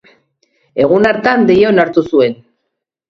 Egun hartan, deia onartu zuen.